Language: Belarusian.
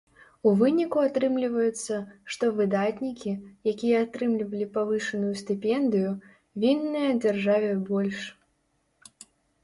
У выніку атрымліваецца, што выдатнікі, якія атрымлівалі павышаную стыпендыю, вінныя дзяржаве больш.